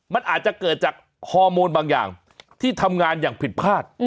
มันอาจจะเกิดจากฮอร์โมนบางอย่างที่ทำงานอย่างผิดพลาด